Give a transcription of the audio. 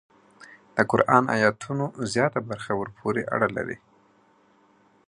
د قران ایتونو زیاته برخه ورپورې اړه لري.